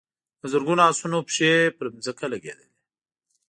د زرګونو آسونو پښې پر ځمکه لګېدلې.